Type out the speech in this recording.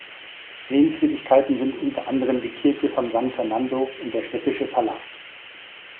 Sehenswürdigkeiten sind unter anderem die Kirche von San Fernando und der städtische Palast.